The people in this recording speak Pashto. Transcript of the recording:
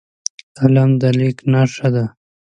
قلم د لیک نښه ده